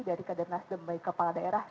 dari kader nasdem baik kepala daerah